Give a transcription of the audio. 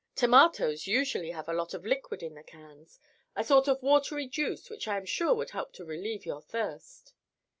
"Tomatoes usually have a lot of liquid in the cans, a sort of watery juice which I am sure would help to relieve your thirst."